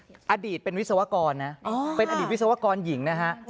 เป็นอดีตเป็นวิศวกรนะเป็นอดีตวิศวกรหญิงนะฮะ